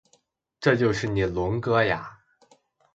这就是你龙哥呀